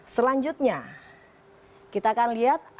selanjutnya kita akan lihat